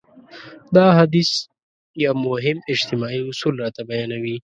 دا حديث يو مهم اجتماعي اصول راته بيانوي.